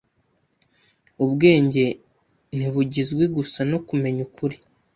Ubwenge ntibugizwe gusa no kumenya ukuri.